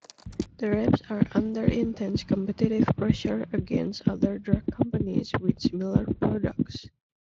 The reps are under intense competitive pressure against other drug companies with similar products.